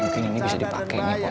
mungkin ini bisa dipake nih